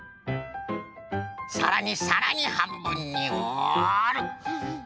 さらにさらにはんぶんにおる。